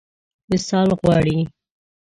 وصال غواړي.